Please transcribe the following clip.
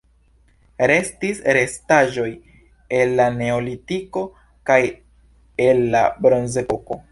Restis restaĵoj el la neolitiko kaj el la bronzepoko.